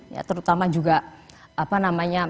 ya terutama juga apa namanya